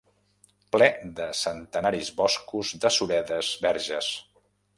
Ple de centenaris boscos de suredes verges.